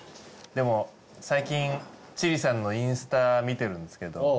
でも最近千里さんのインスタ見てるんですけど。